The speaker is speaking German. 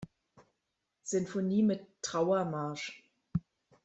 Sinfonie mit "Trauermarsch.